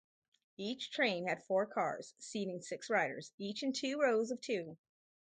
Each train had four cars seating six riders each in two rows of two.